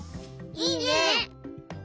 いいね！